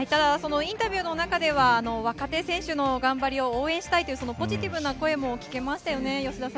インタビューの中では若手選手の頑張りを応援したいというポジティブな声も聞けましたよね。